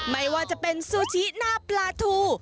ไม่ว่าจะเป็นซูชิหน้าปลาทู